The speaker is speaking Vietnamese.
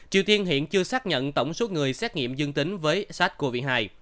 triều tiên hiện chưa xác nhận tổng số người xét nghiệm dương tính với sars cov hai